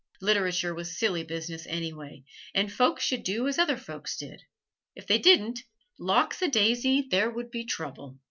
Literature was silly business anyway, and folks should do as other folks did. If they didn't, lawks a daisy! there was trouble!!